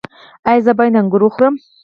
ایا زه باید انګور وخورم؟